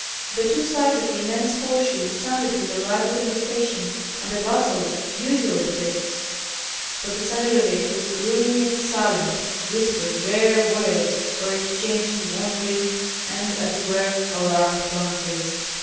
The two sides of the immense horseshoe sounded with a lively conversation, and the bustle usual at feasts; but the centre of it was gloomy and silent, whispered rare words, or exchanged wandering and as it were alarmed glances.